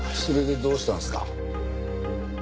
それでどうしたんですか？